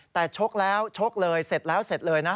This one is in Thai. แต่ชกแล้วชกเลยเสร็จแล้วเสร็จเลยนะ